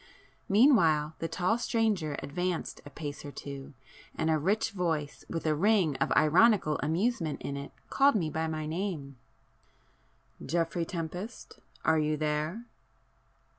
Meanwhile the tall stranger advanced a pace or two, and a rich voice with a ring of ironical amusement in it called me by my name— "Geoffrey Tempest, are you there?"